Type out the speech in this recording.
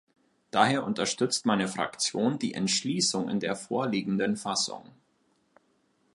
Daher unterstützt meine Fraktion die Entschließung in der vorliegenden Fassung.